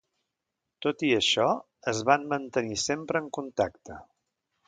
Tot i això, es van mantenir sempre en contacte.